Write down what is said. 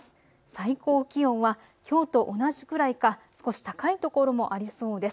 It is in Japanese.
最高気温はきょうと同じくらいか少し高い所もありそうです。